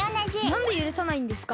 なんでゆるさないんですか？